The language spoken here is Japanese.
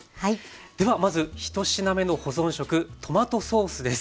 ではまず１品目の保存食トマトソースです。